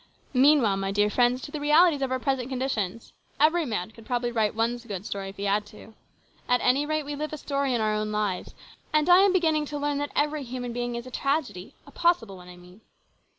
" Mean while, my dear friends, to the realities of our present conditions. Every man could probably write one good story if he had to. At any rate we live a story in our own lives, and I am beginning to learn that every human being is a tragedy, a possible one, I mean.